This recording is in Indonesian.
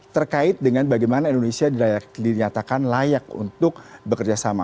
terkait dengan bagaimana indonesia dinyatakan layak untuk bekerjasama